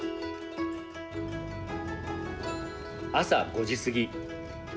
朝５時すぎ。